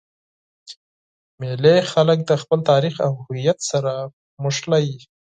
مېلې خلک د خپل تاریخ او هویت سره مښلوي.